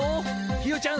ひよちゃん